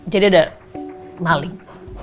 jadi ada maling